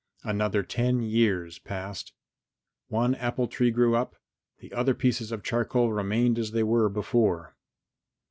Another ten years passed. One apple tree grew up, the other pieces of charcoal remained as they were before.